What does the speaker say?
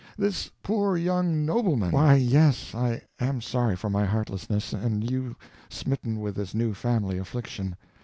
This poor young nobleman—" "Why, yes, I am sorry for my heartlessness, and you smitten with this new family affliction.